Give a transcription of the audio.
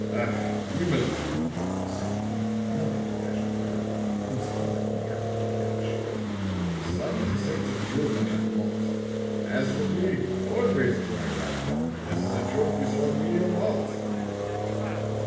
"Ach, himmel!" said he, nodding to Ashton Kirk, whose eye he happened to catch, "some the sense of humor have not. As for me, always do I laugh, whether the joke is on me or not."